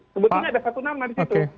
sebetulnya ada satu nama di situ